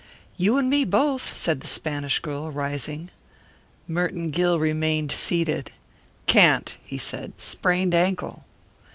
"You an' me both!" said the Spanish girl, rising. Merton Gill remained seated. "Can't," he said. "Sprained ankle."